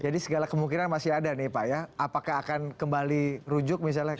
jadi segala kemungkinan masih ada nih pak ya apakah akan kembali rujuk misalnya